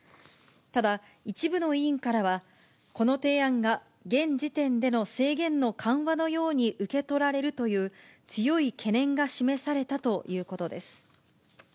ただ、一部の委員からは、この提案が現時点での制限の緩和のように受け取られるという、強い懸念が示されたということです。